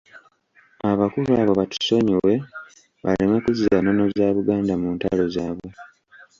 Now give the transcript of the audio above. Abakulu abo batusonyiwe baleme kuzza nnono za Buganda mu ntalo zaabwe.